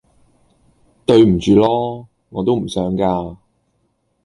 對唔住囉！我都唔想架